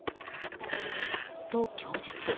と、供述。